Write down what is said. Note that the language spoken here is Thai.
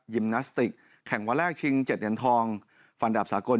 นาสติกแข่งวันแรกชิง๗เหรียญทองฟันดาบสากล